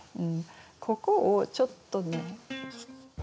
ここをちょっとね。